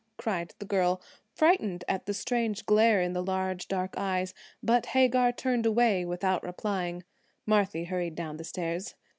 cried the girl, frightened at the strange glare in the large dark eyes. But Hagar turned away without replying. Marthy hurried down stairs.